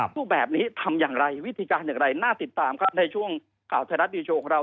พูดแบบนี้ทำอย่างไรวิธีการอย่างไรน่าติดตามครับในช่วงข่าวไทยรัฐนิวโชว์ของเรา